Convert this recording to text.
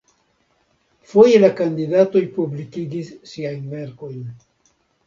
Foje la kandidatoj publikigis siajn verkojn.